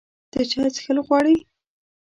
ته چای څښل غواړې؟